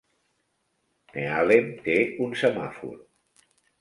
Nehalem té un semàfor.